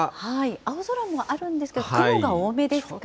青空もあるんですけど、雲が多めですかね。